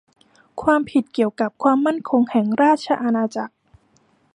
ความผิดเกี่ยวกับความมั่นคงแห่งราชอาณาจักร